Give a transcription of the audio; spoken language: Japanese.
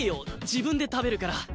自分で食べるから。